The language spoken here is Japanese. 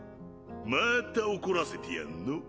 まぁた怒らせてやんの。